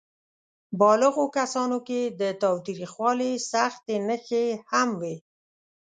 بالغو کسانو کې د تاوتریخوالي سختې نښې هم وې.